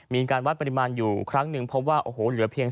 มีการวัดปริมาณอยู่ครั้งหนึ่งเพราะว่าเหลือเพียง๑๕